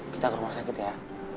kita ke rumah sakit ya